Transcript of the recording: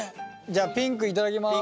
じゃあピンク頂きます。